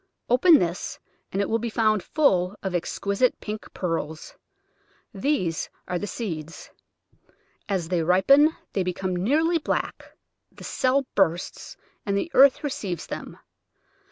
Open this and it will be found full of exquisite pink pearls; these are the seeds. As they ripen they become nearly black, the cell bursts, and the earth receives them.